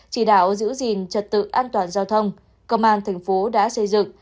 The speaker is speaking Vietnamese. chỉ đạo giữ gìn trật tự an toàn giao thông công an thành phố đã xây dựng